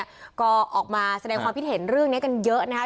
เห็นแล้วเนี่ยก็ออกมาว่าแสดงความพิเศษเรื่องในกันเยอะนะครับ